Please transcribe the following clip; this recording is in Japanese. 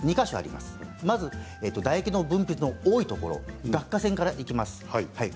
まず唾液の分泌の多いところ顎下腺からいきます。